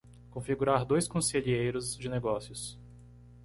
Configurar dois conselheiros de negócios